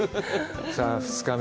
さあ、２日目